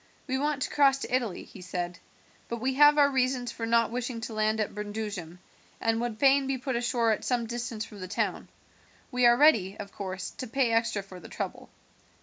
"We want to cross to Italy," he said, "but we have our reasons for not wishing to land at Brundusium, and would fain be put ashore at some distance from the town. We are ready, of course, to pay extra for the trouble."